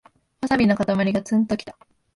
ワサビのかたまりがツンときた